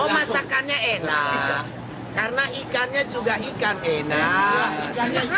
masakannya enak karena ikannya juga enak